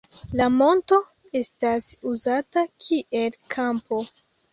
La monto estas uzata kiel kampo.